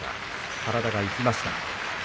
体が生きました。